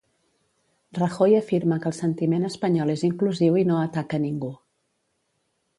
Rajoy afirma que el sentiment espanyol és inclusiu i no ataca ningú.